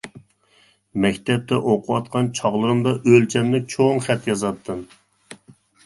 مەكتەپتە ئوقۇۋاتقان چاغلىرىمدا ئۆلچەملىك چوڭ خەت يازاتتىم.